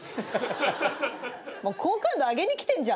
もう好感度上げに来てんじゃん。